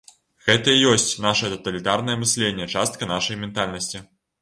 Гэта і ёсць нашае таталітарнае мысленне, частка нашай ментальнасці.